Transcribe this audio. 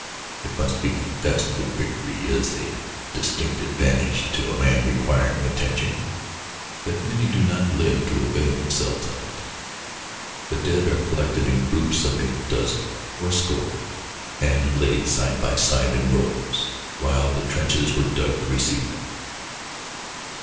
It must be confessed that victory is a distinct advantage to a man requiring attention, but many do not live to avail themselves of it. The dead were collected in groups of a dozen or a score and laid side by side in rows while the trenches were dug to receive them.